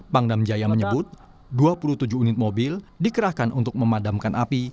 pangdam jaya menyebut dua puluh tujuh unit mobil dikerahkan untuk memadamkan api